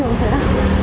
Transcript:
đó là bởi vì